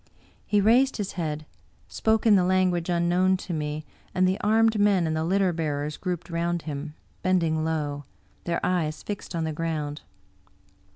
He raised his head, spoke in the language unknown to me, and the armed men and the litter bearers grouped round him, bending low, their eyes fixed on the ground.